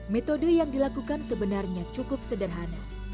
metode yang dilakukan sebenarnya cukup sederhana